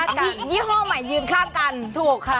กับยี่ห้อใหม่ยืนข้างกันถูกค่ะ